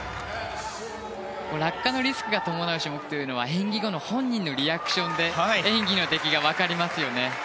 落下のリスクが伴う種目というのは演技後の本人のリアクションで演技の出来が分かりますよね。